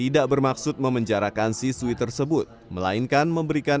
nah itulah kami juga langsung fir'aun kerajaan fir'aun